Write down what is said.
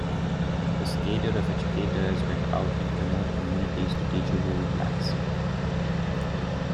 This cadre of educators went out into remote communities to teach rural blacks.